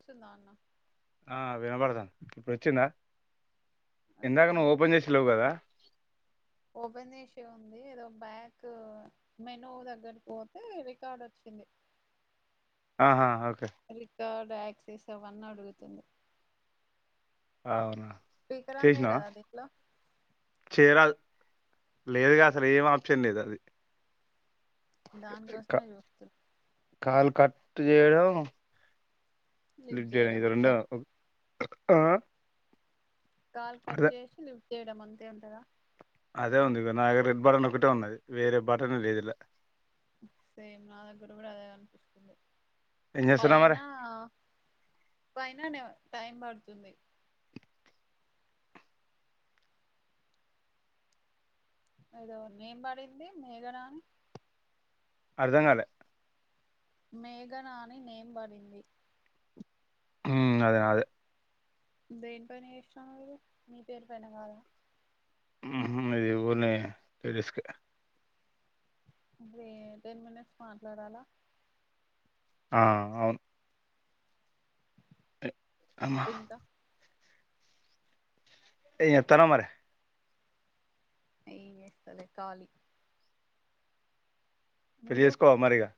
స్తున్ దాన్నా ఆ వినబడతంది ఇప్పుడు ఓచ్చిందా వచ్చింది ఓపెన్ చేషే ఉంది ఏదో బ్యాకు మేను దగ్గర్కి పోతే రికార్డ్ వచ్చింది ఆహా ఒకే టాక్సీస్ అవ్వన్ అడుగుతుంది అవునా స్పీకర్ ఆన్ చేసినావా చేయరదా దీంట్లో చేయరాదు లేదుగా అసలు ఏం ఆప్షన్ లేదది దానికోసమే చూతున్ కాల్ కట్టు జేయడం లిఫ్ట్ చేయడం ఇవి రెండా ఆ కాల్ కట్ అదే చేసి లిఫ్ట్ చేయడం అంతే ఉంటాదా అదే ఉంది ఇగొ నా దగ్గర రెడ్ బటన్ ఒకటే ఉన్నది వేరే బటన్ లేదు ఇళ్ల సేమ్ నా దగ్గర కూడా అదే అనిపిస్తుంది. ఏం చేస్తున్నావ్ మరి పైనా పైన నే టైం పడుతుంది. ఏదో నేం బడింది మేఘన అని అర్ధంగాలే మేఘనా అని నేంబడింది. ఉమ్ అదే అదే దేన్ పైనా చేసినావు నువ్వు నీ పేరు పైన కాదా ఉహూ నాయి లీవ్ ఉన్నాయి రిస్క్ దే టెన్ మినిట్స్ మాట్లాడాల ఆ అవును అమ్మ చెప్పు ఇంకా ఎంజేతనావు మరి ఏమ్ చేస్తాలే కాలీ పెళ్లి చేసుకోవ మరిగా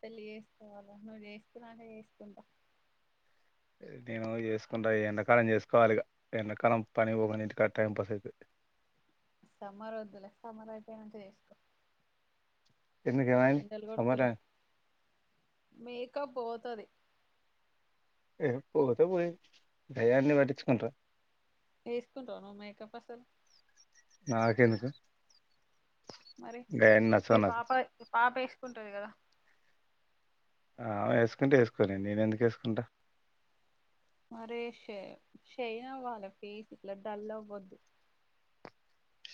పెళ్లి చేస్తకోవాలా నువ్వు చేసుకోమంటే చేస్తుంటా. నేను చేసుకుంటా ఈ ఎండాకాలం చేసుకోవాలిగా ఇగా ఎండాకాలం పని పోకుంటే ఇంటికాడ టైం పాస్ అయితది సమ్మర్ వద్దులే సమ్మర్ అయిపోయినాక చేసుకో ఎందుకేమైంది ఎండలు సమరా కొడుతున్నాయి మేకప్ పోతాది ఏ పోతే పోయి ఆయాన్ని పట్టించుకుంటరా వేసుకుంటావా మేకప్ అసలు నాకెందుకు మరి గయాన్ని మీ నచ్చవు నాకు పాప పాప వేసుకుంటది కదా ఆ వేసుకుంటే వేసుకొని నేను ఎందుకు వేసుకుంటా మరే ష షైన్ అవ్వాలి ఫేస్ ఇట్లా డల్ అవ్వద్దు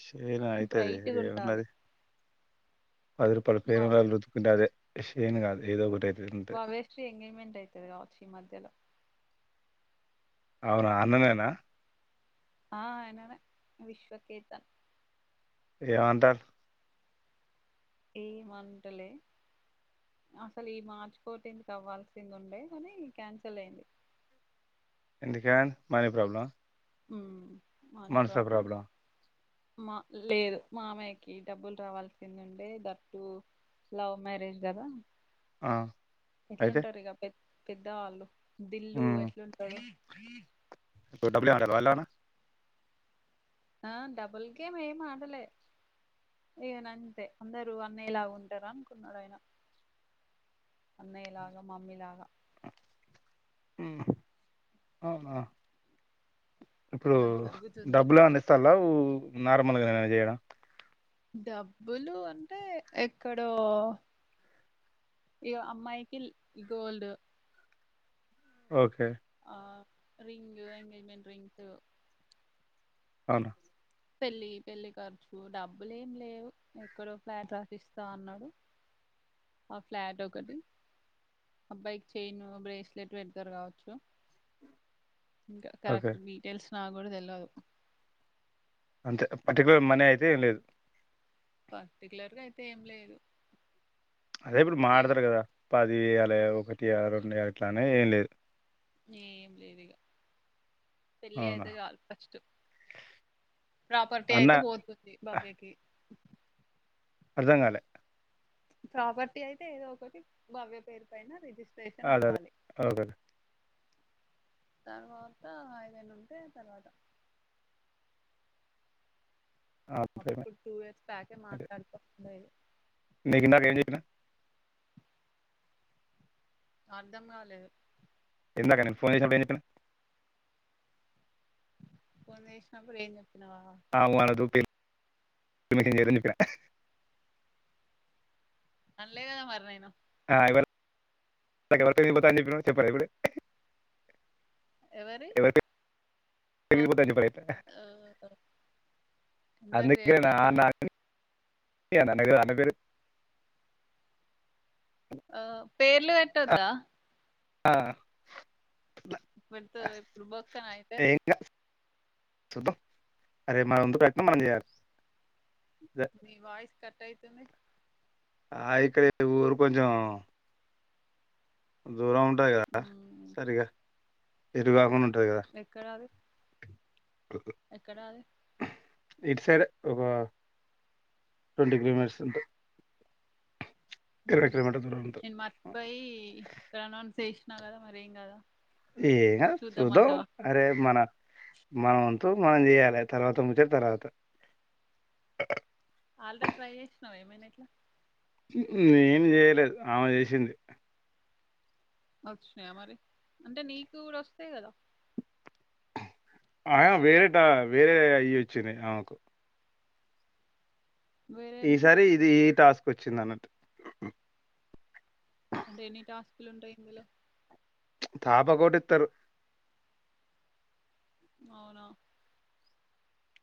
షైన్ అయితది బ్రైట్గా ఉండాలి ఏమున్నది పది రూపాల బా ఫెయిర్న్ లవ్లీ వాళ్ళు తెచ్చుకుంటే అదే షైన్ కాదు ఏదో ఒకటి అయి వా వేస్టే యి ఎంగేజ్మెంట్ అయితది కావచ్చు ఈ మధ్యలో అవునా అన్ననేేనా ఆ ఆయననే విశ్వకేతన్ ఏవంటారు ఏమ్ అంటాలే అసలు ఈ మార్చి ఫోర్టీంత్ అవ్వాల్సింది ఉండే కానీ క్యాన్సల్ అయింది. ఎందుకె మనీ ప్రాబ్లమా ఉ మనీ ప్రాబ్లమ్ మా లేదు మామయ్య కి డబ్బులు రావాల్సింది ఉండే దట్టు లవ్ మ్యారేజ్ గాదా అయితే ఎట్లుంటారు ఇక పె పెద్దవాళ్ళు దిల్లు ఉమ్, ఎట్లుంటాడో ఇప్పుడు డబ్బులుయమంటారా [unintelligible] ఆ డబుల్గేమ్ ఏమ్ ఆడలే ఈయన అంతే అందరు అన్నయ్య లాగా ఉంటారు అనుకున్నాడు ఆయన అన్నయ్య లాగా మమ్మీ లాగా అవునా ఇప్పుడు అలా జరుగుతుంది డబ్బులు ఏమైనా ఇస్తాలా నార్మల్గా నేన చేయడం డబ్బులు అంటే ఎక్కడో ఇగొ అమ్మాయికి ల్ గోల్డ్ ఓకే ఆ రింగ్ ఎంగేజ్మెంట్ రింగ్స్ అవునా పెళ్లి పెళ్ళి ఖర్చు డబ్బులుం లేవు ఎక్కడో ఫ్లాట్ రాసిస్తా అన్నాడు ఆ ఫ్లాట్ ఒకటి అబ్బాయికి చైను బ్రేస్లెట్ పెడతారు కావచ్చు ఇంకా ఓకే కరెక్ట్ డీటెయిల్స్ నా కూడా తెలువదు అంతే పర్టికులర్ మనీ అయితేం లేదు పర్టికులర్గా అయితే ఏం లేదు అదే ఇప్పుడు ఇగ మాడతారు కదా పదియాల ఒకటి రెండు అట్లానే ఏం లేదు. ఏం లేదు ఇక పెళ్ళి అవునా అయితే చాలు ఫస్ట్ ప్రాపర్టీ అన్న అయితే పోతుంది బాబ్యకి అర్థం కాలే ప్రాపర్టీ అయితే ఏదో ఒకటి భవ్య పేరు పైన రిజిస్ అదే అదే అదే లే తర్వాత ఏదైనా ఉంటే తర్వాత అప్పుడు టూ ఇయర్స్ బ్యాకే ఓకే మాట్లాడు కొని ఉండే ఇది నీకు ఇందాక ల ఏం చెప్పినా అర్ధం కాలేదు ఇందాక నీకు ఫోన్ చేసినప్పుడు ఏం చెప్పినా ఫొన్ చేసినపుడు ఏం చెప్పాలే ఆ ఉ అనుడు వద్దు పెళ్ళి పెళ్లి జరగదని చెప్పిన వినలే కదా మరి నేను పో చెప్పాలదా ఇప్పుడు ఎవరి వో పేరు పోతా అందుకేన్నా అనకు అన పేరు ఆ పేర్లు పెట్టద్దా ఆ ఇప్పుడుతో ఇప్పుడు బొక్క నా అయితే చూద్దాము మన ప్రయత్నం మనం చేయాలి అదే. నీ వాయిస్ కట్ అయితున్నయి ఆయిక్కడ ఊరు కొంచం దూరం ఉంటాయి కదా ఉమ్, సరిగా ఎరు కాకుండా ఉ ఎక్కడ అది ఎక్కడది ఇటు సైడ్ ఒక ట్వంటీ కిలో మీటర్స్ ఉంటది ఇరవై కిలోమీటర్ దూరం ఉంటది నేను మా మర్చిపోయి ప్రనౌన్స్ చేసినా కదా మరేం కదా ఏం కాదు చూద్దాం చూద్దామంటావా అరే మన మనం మనం చెయ్యాలే తర్వాత ముచ్చట తర్వాత ఆల్రెడీ ట్రై చేసినావు ఏమైది ఎట్లా నేను చేయలేదు ఆమె చేసింది. వచ్చినాయా మరి అంటే నీకు కూడా వస్తాయి కదా ఆ వేరేట వేరే అయ వచ్చినినయి ఆమెకు వేరే మీన్స్ ఈసారి ఇది ఈ టాస్క్ వచ్చింది అన్నట్టు అంటే ఎన్ని టాస్కులు ఉంటాయి ఇందులో తాపాకోటి ఇతరు అవునా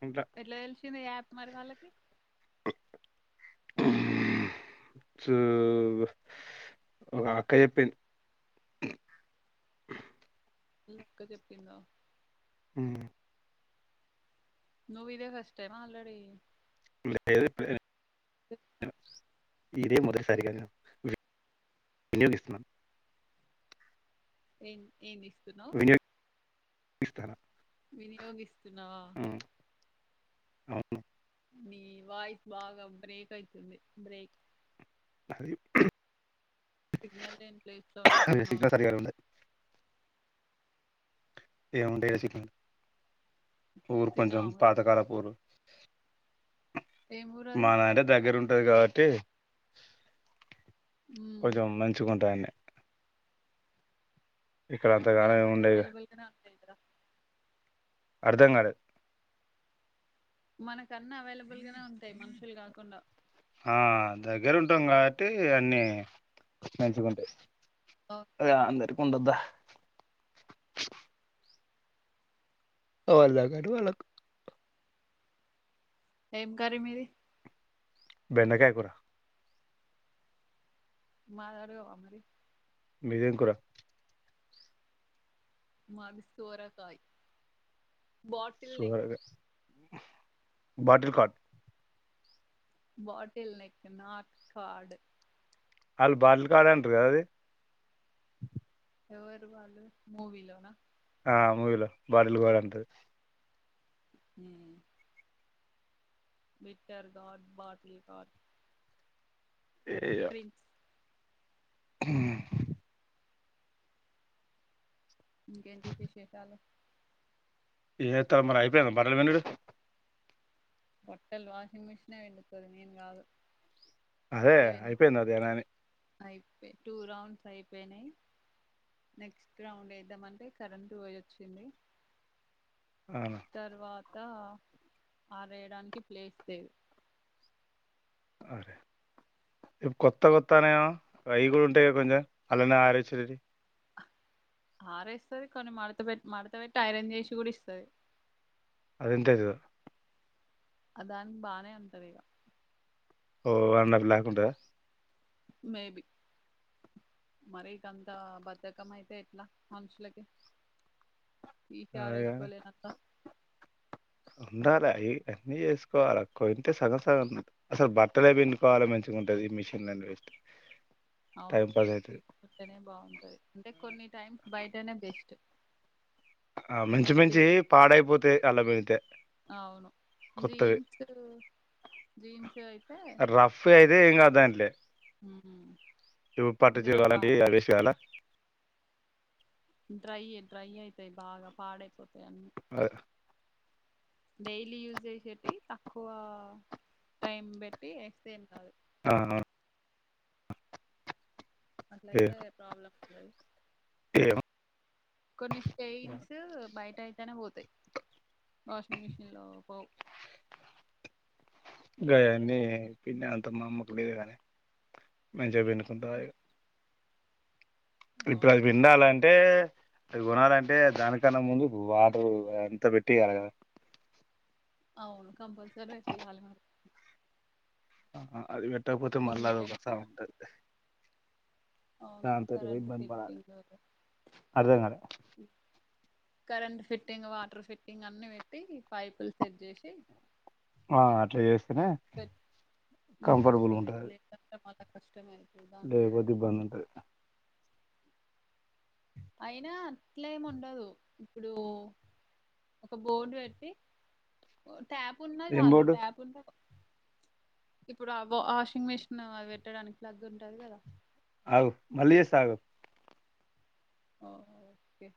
ఇట్లా ఎట్లా తెలిసింది యాప్ మరి వాళ్ళకి ఆ సు ఒక అక్క చెప్పింది అక్క చెప్పిందా హ్మ నువ్వు ఇదే ఫస్ట్ టైమ్ ఆ ఆల్రెడీ లేదు ఇపుడే [unintelligible] ఇదే మొదటిసారిగా నేను వినియోగిస్తున్నాను ఏం ఏమి ఇస్తున్నావ్ ఇస్తారా వినియోగిస్తున్నావా అవును మీ వాయిస్ బాగా బ్రేక్ అయితుంది బ్రేక్ అది సిగ్నల్ లేని ప్లేస్ లో ఉన్నట్టున్నావు సిగ్నల్ నువ్వు సరిగా ఉండదు ఏముంటాయి చ [unintelligible] ఊరు కొంచెం తిన్నావా మరి పాతకాల పూరు ఏం ఊరు అది మధాడే దగ్గర ఉంటది కాబట్టి మ్మ్. కొంచెం మంచుగుంటాడే ఇక్కడ అంతగానే మనకన్నీ అవైలబుల్ గానే ఉంటాయ్ కదా అర్ధంగాలే మనకన్న అవైలబుల్ గానే ఉంటాయి మనుషులు కాకుండా ఆ దగ్గర ఉంటాం కాబట్టి అన్నీ మంచుగుంటెయ్ ఓ, అద అందరికి ఉండదా వాళ్ళ తక్కట్టు వాళ్ళకు ఏం కర్రి మీది బెండకాయ కూర మాది అడగవా మరి మీదేం కూర మాది సోరకాయ బాటిల్ నెక్ సోరకాయ bottle gourd bottle neck not gourd అల్లు బాటిల్ కార్డ్ నే అంటారు కదా అది ఎవరు వాళ్ళు మూవీలోనా ఆ మూవీలో బాటిల్ కార్డ్ అంటరు హ్మ బిట్టర్ గార్డ్ బాటిల్ గార్డ్ ఏ ఇగ హ్మ్ ఇంకేంటి విశేషాలు ఏ త మరి అయిపోయిందా బట్టలు పిండుడు బట్టలు వాషింగ్ మిషనే పిండుతది నేను కాదు అదే అయిపోయింద అదేనాని అయిపే టూ రౌండ్స్ అయిపోయినాయి నెక్స్ట్ రౌండ్ ఏద్దామంటే కరెంట్ పోయి వచ్చింది అవునా తర్వాత ఆరేయడానికి ప్లేస్ లేదు అరేయ్ ఇప్పు కొత్త కొత్తనాయేమో అవి కూడా ఉంటాయి కొంచెం అలానే అరెసేద్ అరెస్తది కొన్ని మడత పెట్ మడత పెట్టి ఐరన్ చేసి కూడా ఇస్తది అదెంతజో అదాన్ బానే ఉంటదిగ ఓ అన్నకు లేకుంటదా మే బి మరికంత బద్దకం అయితే ఎట్లా మనుషులకి ఈ ఆ, కారేసుకోలేనంత ఉండాల అయి అన్ని ఏసుకోవాల కొంతే సగం సగం అసలు బర్టలే పిండుకోవాలి మంచిగా ఉంటది ఈ మిషన్ అనివెట్ అవును బయట్ తీకుంటేనే బాగుంటది అంటే కొన్ని టైమ్స్ బైటనే బెస్ట్ ఆ మంచి మంచి ఎమర్జెన్ పాడైపోతాయి అల్ల అవును [unintelligible] జీన్స్ జీన్స్ అయితే రఫ్ అయితే ఇంగ దాంట్లే మ్మ్ యు పట్టు చీర అలాంటియి ఆడేసేయ్యాలా డ్రై డ్రై అయితాయి బాగా పాడైపోతాయి అన్నీ అ డైలీ యూజ్ చేసేటియ్ తక్కువ టైం పెట్టి ఏస్తే ఏం గాదు ఆహా అట్లయితే ప్రాబ్లమ్ ఉండదు ఏమో కొన్ని స్టెయిన్స్ ట్టయితనే పోతయ్ వాషింగ్ మిషీన్ లో పోవు గయన్నీ పిండే అంత మా అమ్మకు లేదు గాని మంజా పిండుకుంటాయే అవును ఇప్పుడది పిండాలన్ టే అది గొణాలంటే దానికన్నా ముందు వాటర్ అంత పెట్టి అవును కంపల్సరి పెట్టియాలే మరి అహా అది పెట్టకపోతే ఉమ్, మళ్ళా అదొక సావు పెడతాం. ఉంటది అవును దాంతోటి పోయి కరెంటు ఇబ్బంది పడాలి ఫిట్టింగ్ అర్థం కాలే కరెంట్ ఫిట్టింగ్ వాటర్ ఫిట్టింగ్ అన్ని పెట్టి పైపులు సెట్ జేషి ఆ అట్ల చేస్ మ్మ్ వస్తది లేదంటే మల్ల కష్టమే లేేగదుగానుంటది అయినా అట్లేముండదు ఇప్పుడు ఒక బోర్డు పెట్టి ట్యాప్ ఉన్నా ఏం చాలు బోర్డు ట్యాప్ ఉన్నా ఇప్పుడు ఆ వాషింగ్ మిషిన్ అది పెట్టడానికి ప్లగ్ ఉంటది కదా అవు మళ్లీ జేస్తా ఆగు ఆ ఓకే